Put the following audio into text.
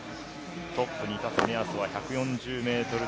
トップに立つ目安は１４０メートル弱。